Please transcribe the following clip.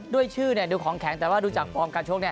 ด้วยชื่อเนี่ยดูของแข็งแต่ว่าดูจากฟอร์มการชกเนี่ย